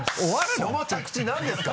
その着地何ですか？